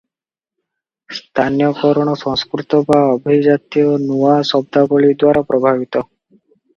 ସ୍ଥାନୀୟକରଣ ସଂସ୍କୃତ ବା ଅଭିଜାତୀୟ ନୂଆ ଶବ୍ଦାବଳୀଦ୍ୱାରା ପ୍ରଭାବିତ ।